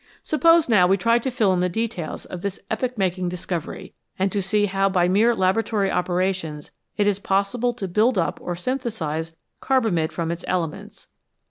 Suppose, now, we try to fill in the details of this epoch making discovery, and to see how by mere laboratory operations it is possible to build up or synthesise carba mide from its elements.